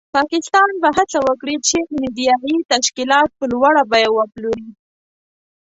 پاکستان به هڅه وکړي چې میډیایي تشکیلات په لوړه بیه وپلوري.